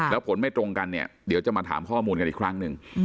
แล้วผลไม่ตรงกันเนี่ยเดี๋ยวจะมาถามข้อมูลกันอีกครั้งหนึ่ง